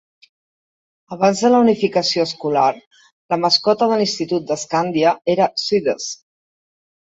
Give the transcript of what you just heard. Abans de la unificació escolar, la mascota de l'Institut de Scandia era Swedes.